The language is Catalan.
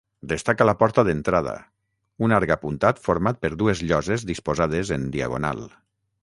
Destaca la porta d'entrada, un arc apuntat format per dues lloses disposades en diagonal.